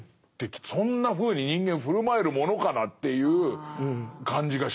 そんなふうに人間振る舞えるものかなっていう感じがして。